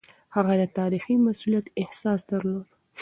هغه د تاريخي مسووليت احساس درلود.